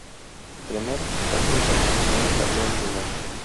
Primero su pase internacional tardó en llegar.